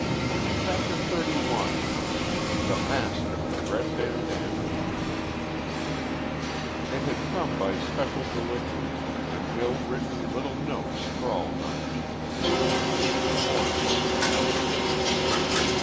CHAPTER XXXI THE MASK OF THE RED BANDANNA It had come by special delivery, an ill written little note scrawled on cheap ruled paper torn from a tablet.